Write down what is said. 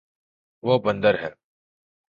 وہ بندر ہے